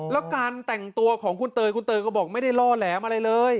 แล้วการแต่งตัวของคุณเตยคุณเตยก็บอกไม่ได้ล่อแหลมอะไรเลย